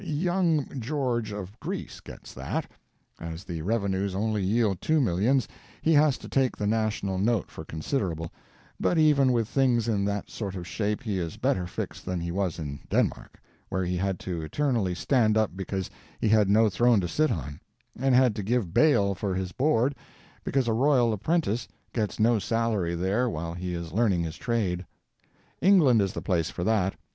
Young George of Greece gets that. As the revenues only yield two millions, he has to take the national note for considerable; but even with things in that sort of shape he is better fixed than he was in Denmark, where he had to eternally stand up because he had no throne to sit on, and had to give bail for his board, because a royal apprentice gets no salary there while he is learning his trade. England is the place for that.